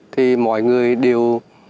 thì mọi người đều